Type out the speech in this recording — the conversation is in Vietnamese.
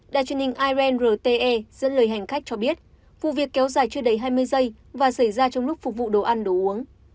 đài truyền hình iren rte dẫn lời hành khách cho biết vụ việc kéo dài chưa đầy hai mươi giây và xảy ra trong lúc phục vụ đồ ăn đồ uống